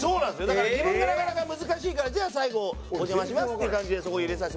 だから自分がなかなか難しいから最後お邪魔しますっていう感じでそこ入れさせてもらいました。